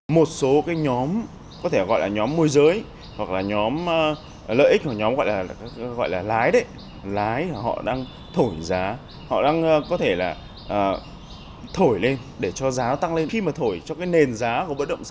một số nhóm có thể gọi là nhóm môi giới hoặc là nhóm lợi ích hoặc là nhóm lái họ đang thổi giá họ đang có thể thổi lên để cho giá tăng lên